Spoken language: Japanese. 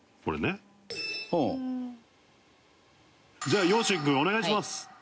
じゃあ陽心君お願いします。